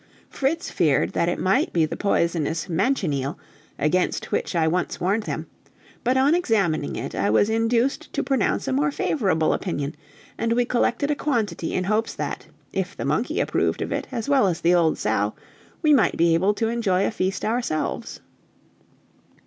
Fritz feared that it might be the poisonous manchineel, against which I once warned them, but on examining it, I was induced to pronounce a more favorable opinion, and we collected a quantity in hopes that, if the monkey approved of it as well as the old sow, we might be able to enjoy a feast ourselves.